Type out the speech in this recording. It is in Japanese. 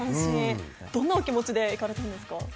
どんなお気持ちで行ったんですか？